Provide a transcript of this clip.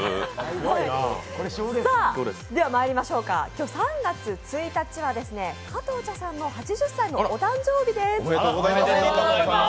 今日３月１日は加藤茶さんの８０歳の誕生日です。